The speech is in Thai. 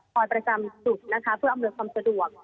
ก่อนประจำจุดเพื่ออำลวงความสะดวก